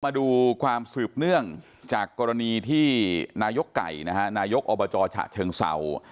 มาดูความสืบเนื่องจากกรณีที่นายกไก่นะฮะนายกอบจฉะเชิงเศร้า